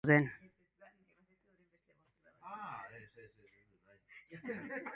Joan den astean ere etsi egin behar izan zuten.